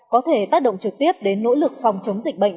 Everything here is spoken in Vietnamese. có thể tác động trực tiếp đến nỗ lực phòng chống dịch bệnh